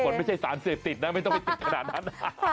ไม่ใช่สารเสพติดนะไม่ต้องไปติดขนาดนั้น